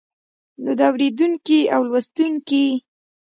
نو د اوريدونکي او لوستونکي